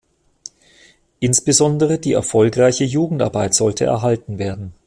Insbesondere die erfolgreiche Jugendarbeit sollte erhalten werden.